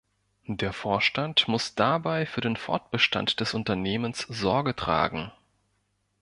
Der Vorstand muss dabei für den Fortbestand des Unternehmens Sorge tragen.